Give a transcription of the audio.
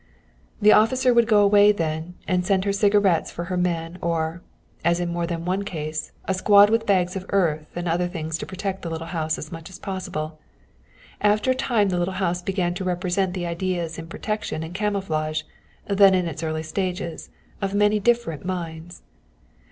The officer would go away then, and send her cigarettes for her men or, as in more than one case, a squad with bags of earth and other things to protect the little house as much as possible. After a time the little house began to represent the ideas in protection and camouflage, then in its early stages, of many different minds.